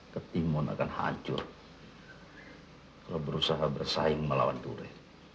ketimun akan hancur kalau berusaha bersaing melawan ture